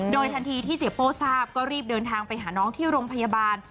โดยทันทีที่เสียโป้ทราบก็รีบเดินทางไปหาน้องที่โรงพยาบาล